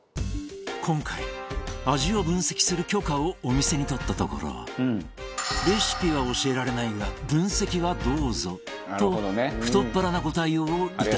今回味を分析する許可をお店に取ったところレシピは教えられないが分析はどうぞと太っ腹なご対応をいただけた